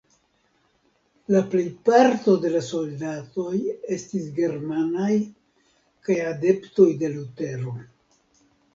La plejparto de la soldatoj estis germanaj kaj adeptoj de Lutero.